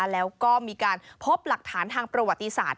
แล้วก็มีการพบหลักฐานทางประวัติศาสตร์